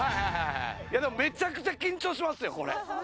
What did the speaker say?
いやでもめちゃくちゃ緊張しますよこれ。